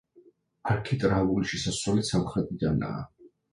არქიტრავული შესასვლელი სამხრეთიდანაა.